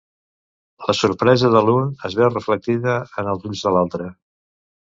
La sorpresa de l'un es veu reflectida en els ulls de l'altre.